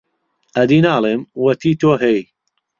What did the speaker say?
ئەدی ناڵێم، وەتی تۆ هەی،